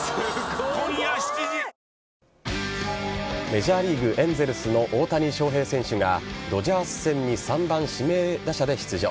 メジャーリーグエンゼルスの大谷翔平選手がドジャース戦に３番・指名打者で出場。